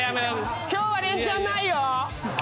今日はレンチャンないよ！